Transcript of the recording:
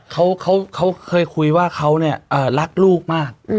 เขาเคยคุยว่าเขาเนี่ยรักลูกมาก